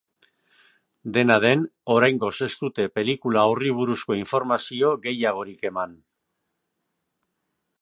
Dena den, oraingoz ez dute pelikula horri buruzko informazio gehiagorik eman.